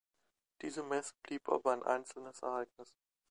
Diese Messe blieb aber ein einzelnes Ereignis.